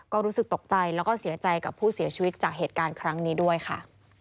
ก็รู้สึกตกใจแล้วก็เสียใจกับผู้เสียชีวิตจากเหตุการณ์ครั้งนี้ด้วยค่ะ